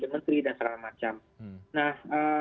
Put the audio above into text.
menteri dan segala macam nah